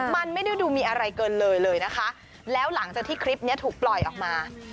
มันไม่ได้ดูมีอะไรเกินเลยเลยนะคะแล้วหลังจากที่คลิปนี้ถูกปล่อยออกมา